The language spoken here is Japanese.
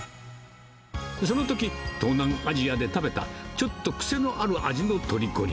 そのとき、東南アジアで食べたちょっと癖のある味のとりこに。